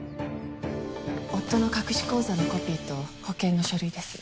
夫の隠し口座のコピーと保険の書類です。